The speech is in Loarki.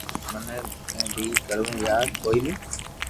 مني بي ڪروو ھي يار ڪوئي